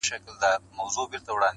سونډان مي سوى وكړي,